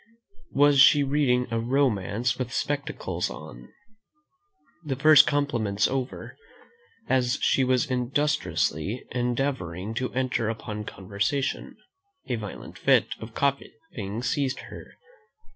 was she reading a romance with spectacles on. The first compliments over, as she was industriously endeavouring to enter upon conversation, a violent fit of coughing seized her.